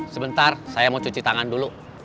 sebentar saya mau cuci tangan dulu